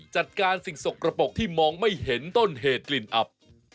จัดการสิ่งสกระปกที่มองไม่เห็นต้นเหตุกลิ่นอับ